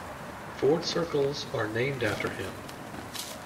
Ford circles are named after him.